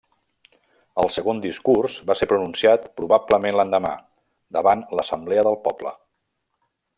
El segon discurs va ser pronunciat probablement l'endemà, davant l'assemblea del poble.